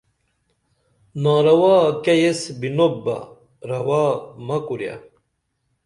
ناروا کیہ ایس بِنوپ بہ روا مہ کوریہ